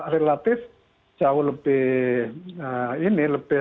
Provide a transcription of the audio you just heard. relatif jauh lebih